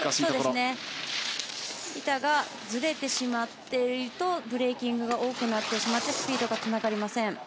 板がずれてしまっているとブレーキングが多くなってスピードがつながりません。